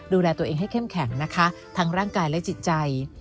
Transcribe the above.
ดูแลตัวเองให้เข้มแข็งนะคะทั้งร่างกายและจิตใจ